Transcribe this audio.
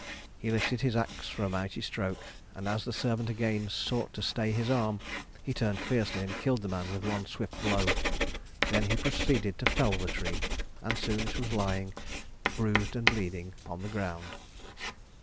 He lifted his ax for a mighty stroke, and as the servant again sought to stay his arm, he turned fiercely and killed the man with one swift blow. Then he proceeded to fell the tree, and soon it was lying, bruised and bleeding, on the ground.